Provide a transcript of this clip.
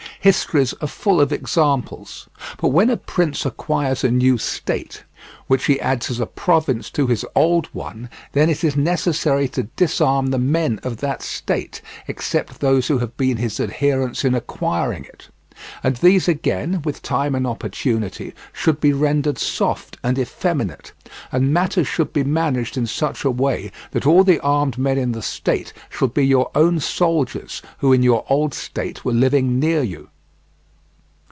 Histories are full of examples. But when a prince acquires a new state, which he adds as a province to his old one, then it is necessary to disarm the men of that state, except those who have been his adherents in acquiring it; and these again, with time and opportunity, should be rendered soft and effeminate; and matters should be managed in such a way that all the armed men in the state shall be your own soldiers who in your old state were living near you.